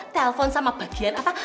telepon sama bagian apa